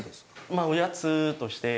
まあおやつとして。